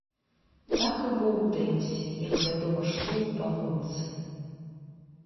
Так і боўтаемся як вядома што ў палонцы.